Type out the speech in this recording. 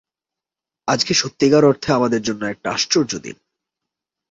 আজকে সত্যিকার অর্থে আমাদের জন্য একটা আশ্চর্য দিন।